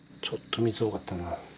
ちょっと水多かったな。